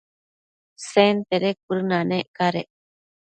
Sentede cuëdënanec cadec